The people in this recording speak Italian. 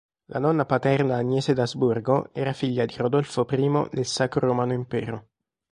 La nonna paterna Agnese d'Asburgo era figlia di Rodolfo I del Sacro Romano Impero.